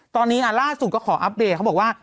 ตอนนี้ล่าสุดก็ขออัปเดตเขาบอกว่า